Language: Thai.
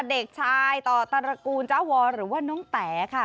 เด็กชายต่อตรกูลจ้าวรหรือว่าน้องแต๋ค่ะ